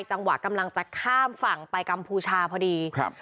จังหวะกำลังจะข้ามฝั่งไปกัมพูชาพอดีครับ